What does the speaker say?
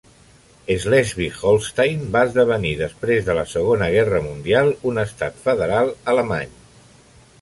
Slesvig-Holstein va esdevenir després de la Segona Guerra mundial un estat federal alemany.